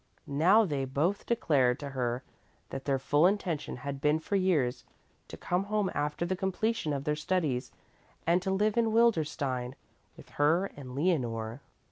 Now they both declared to her that their full intention had been for years to come home after the completion of their studies and to live in Wildenstein with her and Leonore.